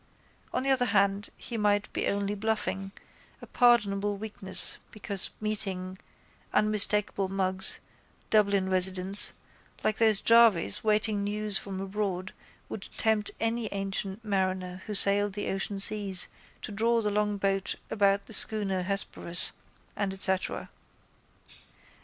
On the other hand he might be only bluffing, a pardonable weakness because meeting unmistakable mugs, Dublin residents, like those jarvies waiting news from abroad would tempt any ancient mariner who sailed the ocean seas to draw the long bow about the schooner Hesperus and etcetera.